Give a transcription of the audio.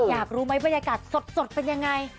อยากรู้ไหมบรรยากาศสดเป็นยังไง